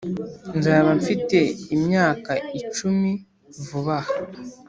nzaba mfite imyaka icumi vuba aha,